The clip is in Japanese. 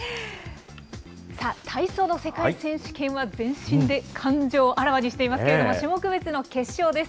体操の世界選手権は全身で感情をあらわにしていますけれども、種目別の決勝です。